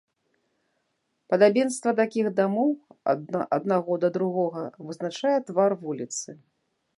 Падабенства такіх дамоў аднаго да другога вызначае твар вуліцы.